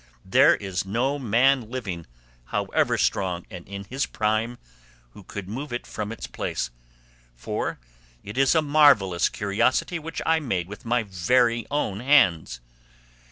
There is no man living, however strong and in his prime, who could move it from its place, for it is a marvellous curiosity which I made with my very own hands.